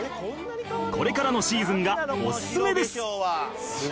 これからのシーズンがおすすめです